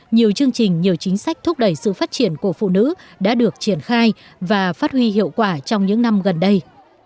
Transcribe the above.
nhiều chương trình nhiều chính sách thúc đẩy sự phát triển của phụ nữ đã được triển khai và phát huy hiệu quả trong những năm gần đây